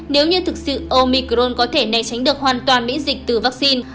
nếu như thực sự omicron có thể này tránh được hoàn toàn biến dịch từ vaccine